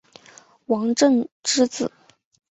王震之子。